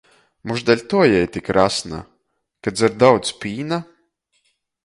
Mož deļtuo jei tik rasna, ka dzer daudzi pīna?